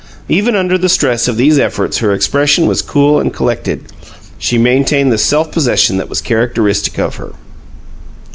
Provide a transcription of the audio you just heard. Even under the stress of these efforts her expression was cool and collected; she maintained the self possession that was characteristic of her.